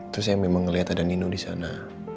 terus saya memang melihat ada nino di sana